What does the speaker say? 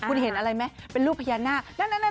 คุณเห็นอะไรไหมเป็นรูปพญานาค